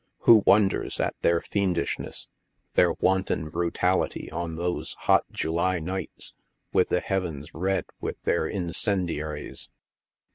Who wonders at their fiendishnesa —their wanton brutality on those hot July nights, with the heavens red with their incendiaries